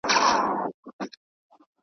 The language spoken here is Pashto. الواته کیږي په زور د وزرونو .